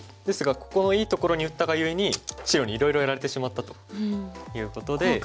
ですがここのいいところに打ったがゆえに白にいろいろやられてしまったということで。